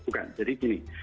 bukan jadi gini